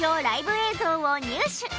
ライブ映像を入手！？